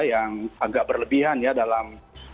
yang agak berlebihan ya dalam